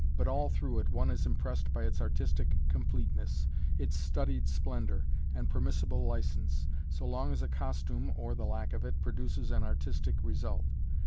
But all through it, one is impressed by its artistic completeness, its studied splendor, and permissible license, so long as a costume (or the lack of it) produces an artistic result.